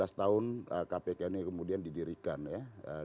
nah jadi lima belas tahun kpk ini kemudian didirikan ke